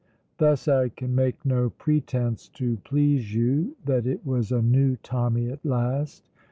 Thus I can make no pretence (to please you) that it was a new Tommy at last.